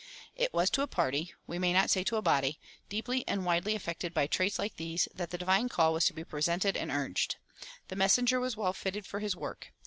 It was to a party we may not say a body deeply and widely affected by traits like these that the divine call was to be presented and urged. The messenger was well fitted for his work.